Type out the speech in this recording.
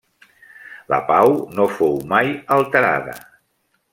La pau no fou mai alterada.